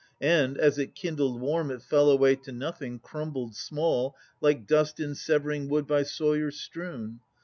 And, as it kindled warm, It fell away to nothing, crumbled small, Like dust in severing wood by sawyers strewn.